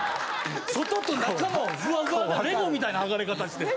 外と中もフワフワなレゴみたいなはがれ方して。